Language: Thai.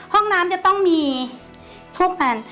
ห้องน้ำจะต้องมีทุกอัน